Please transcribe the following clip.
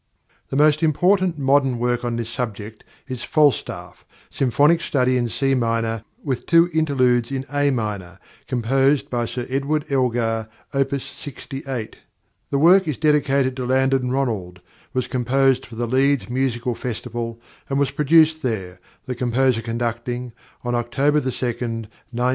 The most important modern work on this subject is "Falstaff, symphonic study in C minor, with two interludes in A minor, composed by +Sir Edward Elgar+, Op. 68." The work is dedicated to Landon Ronald, was composed for the Leeds Musical Festival, and was produced there, the composer conducting, on October 2, 1913.